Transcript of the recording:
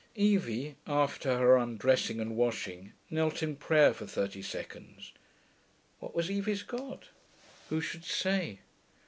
Evie, after her undressing and washing, knelt in prayer for thirty seconds (what was Evie's God, who should say?